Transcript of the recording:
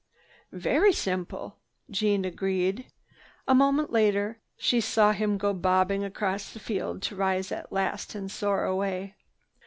"Very simple," Jeanne agreed. A moment later she saw him go bobbing across the field to rise at last and soar away.